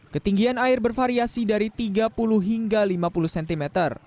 ketinggian air bervariasi dari tiga puluh hingga lima puluh cm